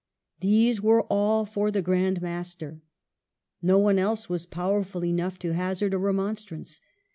These were all for the Grand Master. No one else was powerful enough to hazard a remonstrance.